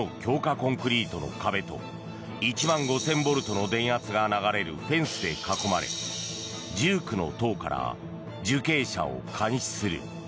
コンクリートの壁と１万５０００ボルトの電圧が流れるフェンスで囲まれ１９の塔から受刑者を監視する。